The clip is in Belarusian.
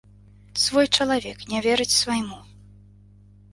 Свой чалавек не верыць свайму.